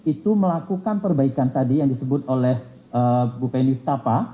itu melakukan perbaikan tadi yang disebut oleh bupen yutapa